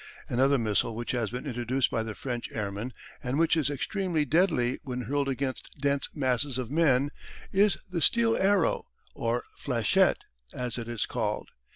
Another missile which has been introduced by the French airmen, and which is extremely deadly when hurled against dense masses of men, is the steel arrow, or "flechette" as it is called.